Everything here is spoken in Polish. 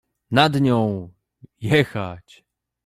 Nad nią — „jechać”.